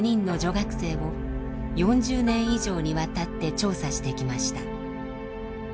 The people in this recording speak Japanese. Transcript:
学生を４０年以上にわたって調査してきました。